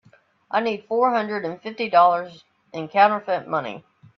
I need four hundred and fifty dollars in counterfeit money.